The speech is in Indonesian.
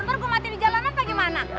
ntar gua mati di jalanan apa gimana